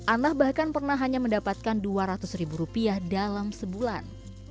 ana bahkan pernah hanya mendapatkan dua ratus ribu rupiah dalam sebulan